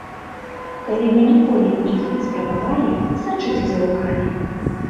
Калі вы ніколі іх не спрабавалі, сачыце за рукамі.